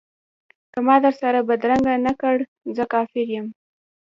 که ما در سره بدرګه نه کړ زه کافر یم.